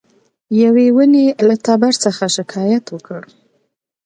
یوې ونې له تبر څخه شکایت وکړ.